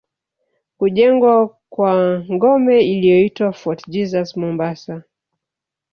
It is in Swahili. Kujengwa kwa ngome iliyoitwa Fort Jesus Mombasa